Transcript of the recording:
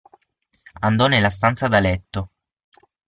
Andò nella stanza da letto.